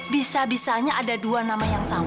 bisa bisanya ada dua nama yang sama